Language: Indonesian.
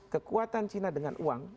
kekuatan cina dengan uang